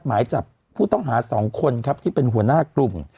หมายจับผู้ต้องหา๒คนครับที่เป็นหัวหน้ากลุ่ม